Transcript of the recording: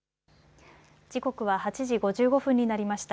時刻は８時５５分になりました。